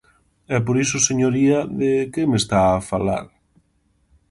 E por iso, señoría, ¿de que me está a falar?